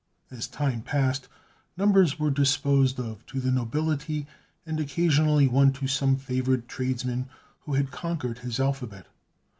As time passed, numbers were disposed of to the nobility, and occasionally one to some favored tradesman who had conquered his alphabet.